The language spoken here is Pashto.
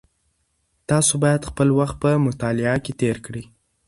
تاسو باید خپل وخت په مطالعه کې تېر کړئ.